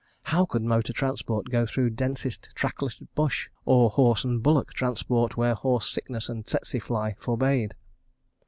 How could motor transport go through densest trackless bush, or horse and bullock transport where horse sickness and tsetse fly forbade?